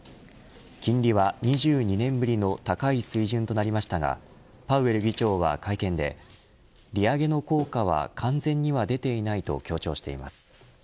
金利は２２年ぶりの高い水準となりましたがパウエル議長は会見で利上げの効果は完全には出ていないと強調しています。